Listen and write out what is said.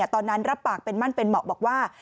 รับปากเป็นมั่นเป็นเหมาะบอกว่า